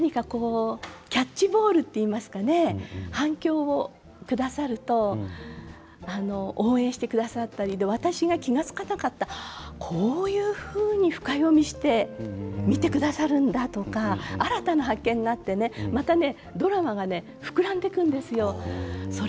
それで今も読んでいただきましたけど朝ドラのいいところって何かこうキャッチボールといいますかね反響をくださる人応援してくださったり私が気が付かなかったこういうふうに深読みして見てくださる人だと新たな発見があってまたドラマが膨らんでいくんですよね。